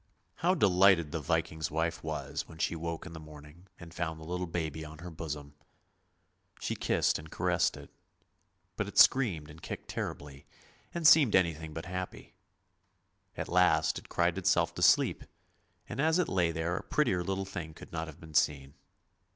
" How delighted the Viking's wife was when she woke in the morning and found the little baby on her bosom. She kissed and caressed it ; but it screamed and kicked terribly, and seemed anything but happy. At last it cried itself to sleep, and as it lay there a prettier little thing could not have been seen.